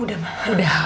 udah mah udah